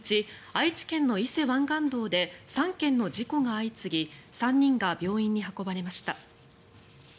愛知県の伊勢湾岸道で３件の事故が相次ぎ３人が病院に運ばれました。